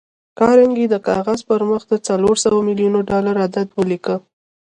کارنګي د کاغذ پر مخ د څلور سوه ميليونه ډالر عدد وليکه.